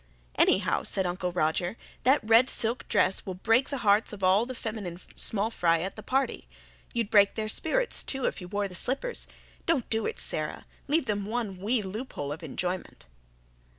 "Anyhow," said Uncle Roger, "that red silk dress will break the hearts of all the feminine small fry at the party. You'd break their spirits, too, if you wore the slippers. Don't do it, Sara. Leave them one wee loophole of enjoyment."